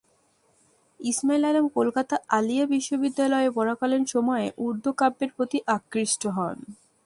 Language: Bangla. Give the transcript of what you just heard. ইসমাঈল আলম কলকাতা আলিয়া বিশ্ববিদ্যালয়-এ পড়াকালীন সময়ে উর্দু কাব্যের প্রতি আকৃষ্ট হন।